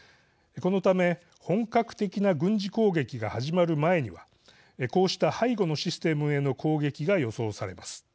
このため、本格的な軍事攻撃が始まる前にはこうした背後のシステムへの攻撃が予想されます。